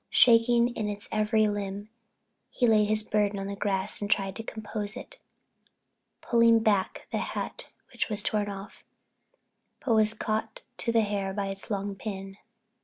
Shaking in every limb he laid his burden on the grass and tried to compose it, putting back the hat which was torn off, but was caught to the hair by its long pin.